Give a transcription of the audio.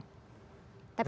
tapi dia senang mulu